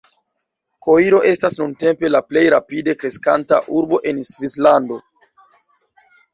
Koiro estas nuntempe la plej rapide kreskanta urbo en Svislando.